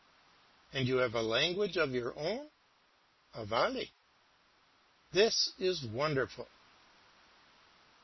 "And you have a language of your own?" "Avali." "This is wonderful."